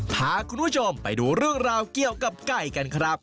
พาคุณผู้ชมไปดูเรื่องราวเกี่ยวกับไก่กันครับ